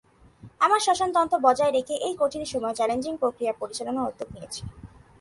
আমরা শাসনতন্ত্র বজায় রেখে এই কঠিন সময়ে চ্যালেঞ্জিং প্রক্রিয়া পরিচালনার উদ্যোগ নিয়েছি।